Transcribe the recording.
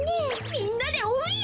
みんなでおうんや！